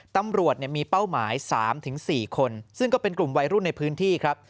ตำรวจมีเป้าหมาย๓๔คนซึ่งก็เป็นกลุ่มวัยรุ่นในพื้นที่ครับ